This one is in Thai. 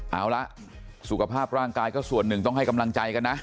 เอาละสุขภาพร่างกายก็ส่วนหนึ่งต้องให้กำลังใจกันนะ